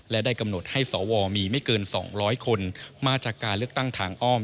และได้กำหนดให้สวมีไม่เกิน๒๐๐คนมาจากการเลือกตั้งทางอ้อม